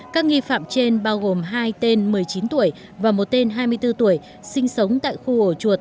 các nghi phạm trên bao gồm hai tên một mươi chín tuổi và một tên hai mươi bốn tuổi sinh sống tại khu ổ chuột